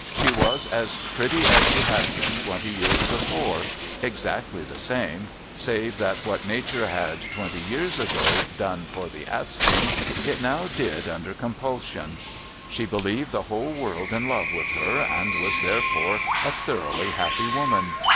She was as pretty as she had been twenty years before, exactly the same, save that what nature had, twenty years ago, done for the asking, it now did under compulsion. She believed the whole world in love with her and was therefore a thoroughly happy woman.